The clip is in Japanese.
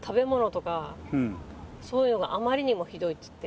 そういうのがあまりにもひどいって言って。